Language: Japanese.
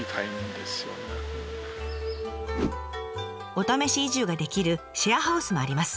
お試し移住ができるシェアハウスもあります。